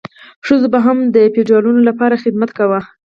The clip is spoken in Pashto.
ښځو به هم د فیوډالانو لپاره خدمت کاوه.